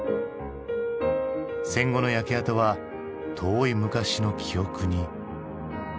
戦後の焼け跡は遠い昔の記憶に。